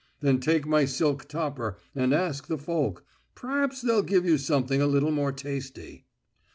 Then take my silk topper and ask the folk. P'raps they'll give you something a little more tasty."